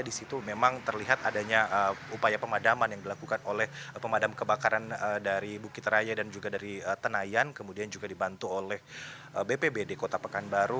di situ memang terlihat adanya upaya pemadaman yang dilakukan oleh pemadam kebakaran dari bukit raya dan juga dari tenayan kemudian juga dibantu oleh bpbd kota pekanbaru